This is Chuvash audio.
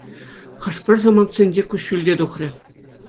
Хӑш-пӗр самантсенче куҫҫуль те тухрӗ.